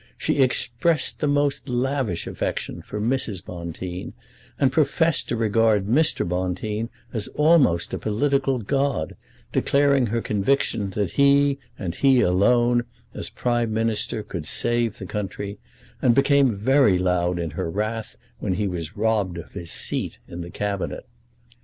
She expressed the most lavish affection for Mrs. Bonteen, and professed to regard Mr. Bonteen as almost a political god, declaring her conviction that he, and he alone, as Prime Minister, could save the country, and became very loud in her wrath when he was robbed of his seat in the Cabinet.